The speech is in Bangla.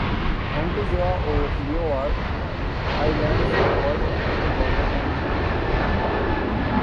অ্যান্টিগুয়া ও লিওয়ার্ড আইল্যান্ডসের বয়সভিত্তিক দলে অংশ নেন।